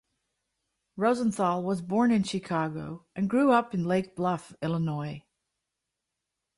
Rosenthal was born in Chicago and grew up in Lake Bluff, Illinois.